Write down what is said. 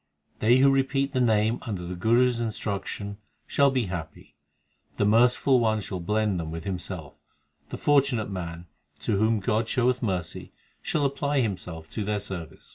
They who repeat the Name under the Guru s instruction shall be happy ; The Merciful One shall blend them with Himself ; The fortunate man to whom God showeth mercy, Shall apply Himself to their service.